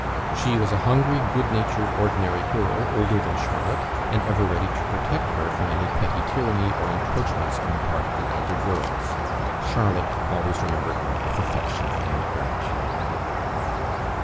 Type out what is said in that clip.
She was "a hungry, good natured, ordinary girl;" older than Charlotte, and ever ready to protect her from any petty tyranny or encroachments on the part of the elder girls. Charlotte always remembered her with affection and gratitude.